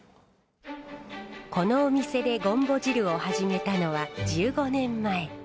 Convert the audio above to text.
このお店でごんぼ汁を始めたのは１５年前。